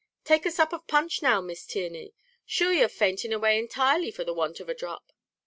"Take a sup of punch now, Miss Tierney; shure you're fainting away entirely for the want of a dhrop."